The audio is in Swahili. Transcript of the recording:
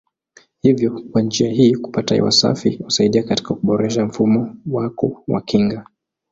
Hivyo kwa njia hii kupata hewa safi husaidia katika kuboresha mfumo wako wa kinga.